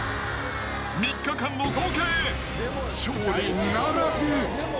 ３日間の合計、勝利ならず。